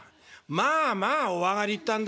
『まあまあお上がり』言ったんだよ」。